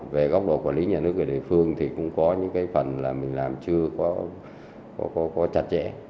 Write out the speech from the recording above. về góc độ quản lý nhà nước ở địa phương thì cũng có những cái phần là mình làm chưa có chặt chẽ